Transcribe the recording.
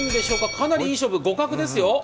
かなりいい勝負、互角ですよ。